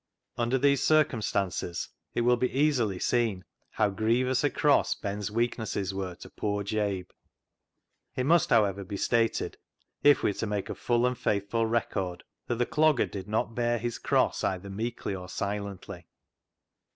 Under these circumstances it will be easily seen how grievous a cross Ben's weaknesses were to poor Jabe. It must, however, be stated, if we are to make a full and faithful record, that the Clogger did not bear his cross either meekly or silently.